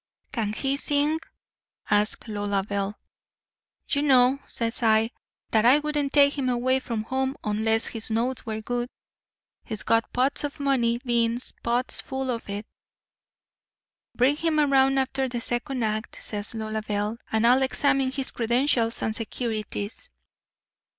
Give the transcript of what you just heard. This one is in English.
"'Can he sing?' asks Lolabelle. "'You know,' says I, 'that I wouldn't take him away from home unless his notes were good. He's got pots of money—bean pots full of it.' "'Bring him around after the second act,' says Lolabelle, 'and I'll examine his credentials and securities.